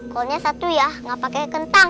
kalau satu ya nggak pake kentang